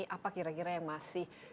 apa kira kira yang masih